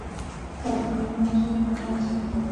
دلته دویمه موضوع یعنې عدالت څېړو.